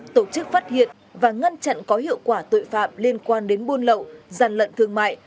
tổ chức phát hiện và ngăn chặn có hiệu quả tội phạm liên quan đến buôn lậu gian lận thương mại